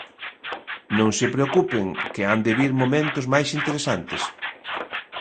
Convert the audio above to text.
Non se preocupen que han de vir momentos máis interesantes.